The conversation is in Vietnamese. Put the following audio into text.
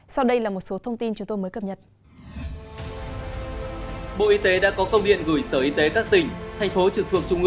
sau đây là một số thông tin chúng tôi mới cập nhật